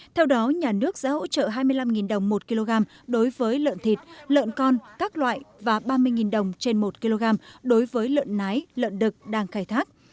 theo đó nhà nước sẽ hỗ trợ hai mươi năm đồng một kg đối với lợn thịt lợn con các loại và ba mươi đồng trên một kg đối với lợn nái lợn đực đang khai thác